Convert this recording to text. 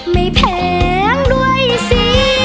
ไม่แพงด้วยสิ